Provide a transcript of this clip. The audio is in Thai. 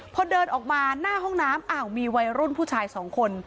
พอเดินออกมาหน้าห้องน้ำอ้าวมีวัยรุ่นผู้ชายสองคน